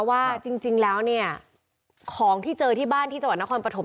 ว่าจริงแล้วครองที่เจอที่บ้านที่นหาคอนประถม